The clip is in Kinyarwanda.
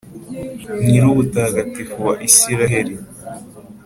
nyir’ubutagatifu wa israheli.